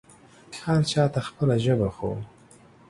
هر چا ته خپله ژبه خو